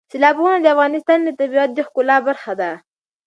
سیلابونه د افغانستان د طبیعت د ښکلا برخه ده.